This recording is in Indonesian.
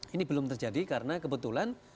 ini belum terjadi karena kebetulan